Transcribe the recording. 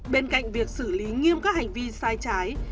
bên cạnh việc xử lý nghiêm các hành vi sai trái